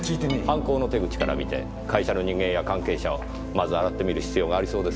犯行の手口から見て会社の人間や関係者をまず洗ってみる必要がありそうですねぇ。